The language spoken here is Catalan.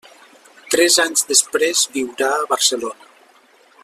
Tres anys després viurà a Barcelona.